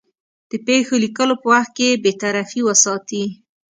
د پېښو لیکلو په وخت کې بېطرفي وساتي.